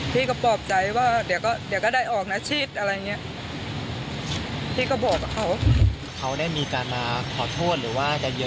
พี่ก็บอบใจว่าเดี๋ยวก็ออกนักอาชีพแล้ว